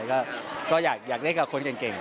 ก็อยากเล่นกับคนเก่ง